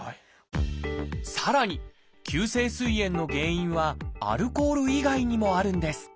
さらに急性すい炎の原因はアルコール以外にもあるんです。